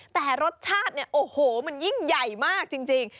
แต่รสชาติเนี่ยโอ้โหมันยิ่งใหญ่มากจริง